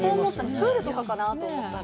プールとかかなと思ったら。